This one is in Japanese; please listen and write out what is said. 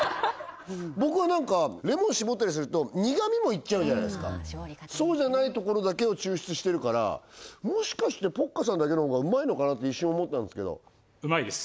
僕はなんかレモンしぼったりすると苦みもいっちゃうじゃないですかそうじゃないところだけを抽出してるからもしかしてポッカさんだけのほうがうまいのかなと一瞬思ったんですけどうまいです！